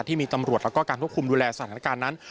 ที่มีตำรวจแล้วก็การควบคุมดูแลสถานการณ์นั้น